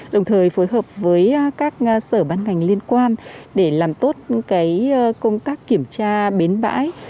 đồng thời phối hợp với các sở ban ngành liên quan để làm tốt công tác kiểm tra bến bãi